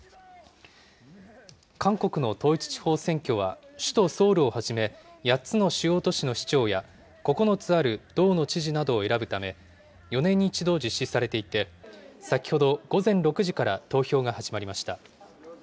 韓国の統一地方選挙は、首都ソウルをはじめ、８つの主要都市の市長や、９つある道の知事などを選ぶため、４年に１度実施されていて、先ほど午前６時から投票が始まりました。